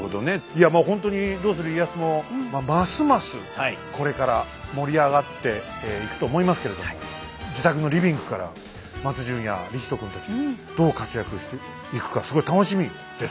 いやまあほんとに「どうする家康」もますますこれから盛り上がっていくと思いますけれども自宅のリビングから松潤や李光人君たちどう活躍していくかすごい楽しみです。